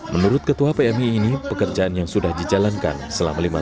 menurut ketua pmi ini pekerjaan yang sudah dijalankan selama lima tahun